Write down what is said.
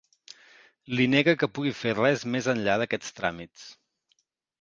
Li nega que pugui fer res més enllà d’aquests tràmits.